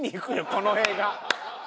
この映画。